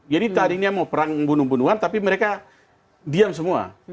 jadi tadinya mau perang bunuh bunuhan tapi mereka diam semua